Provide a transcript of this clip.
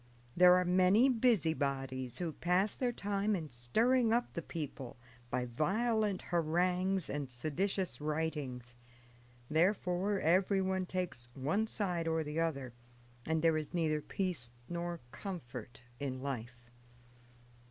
There are many busybodies who pass their time in stirring up the people by violent harangues and seditious writings; therefore everyone takes one side or the other, and there is neither peace nor comfort in life.